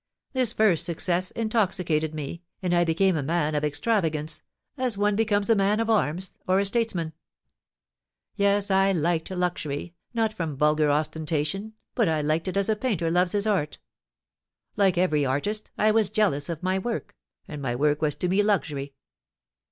This first success intoxicated me, and I became a man of extravagance, as one becomes a man of arms, or a statesman. Yes, I liked luxury, not from vulgar ostentation, but I liked it as a painter loves his art. Like every artist, I was jealous of my work, and my work was to me luxury.